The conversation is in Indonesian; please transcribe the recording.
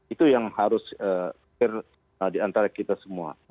itu yang harus diantara kita semua